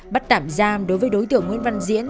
bắt tạm giam đối với đối tượng nguyễn văn diễn